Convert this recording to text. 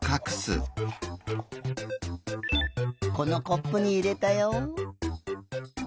このコップにいれたよ。